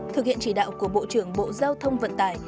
thực hiện chỉ đạo của bộ trưởng bộ giao thông vận tải